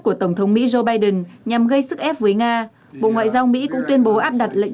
của tổng thống mỹ joe biden nhằm gây sức ép với nga bộ ngoại giao mỹ cũng tuyên bố áp đặt lệnh